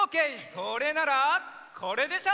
それならこれでしょ！